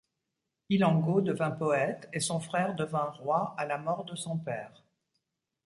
Ilango devint poète et son frère devint roi à la mort de son père.